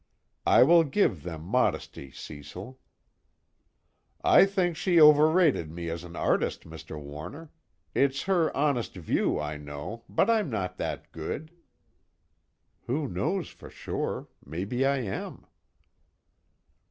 I will give them modesty, Cecil._ "I think she overrated me as an artist, Mr. Warner. It's her honest view, I know, but I'm not that good." _Who knows for sure? Maybe I am.